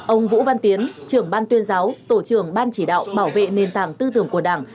ông vũ văn tiến trưởng ban tuyên giáo tổ trưởng ban chỉ đạo bảo vệ nền tảng tư tưởng của đảng